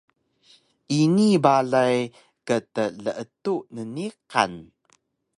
Ini balay ktleetu nniqan